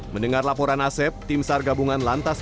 mendengar laporan asep tim sargabungan lantasar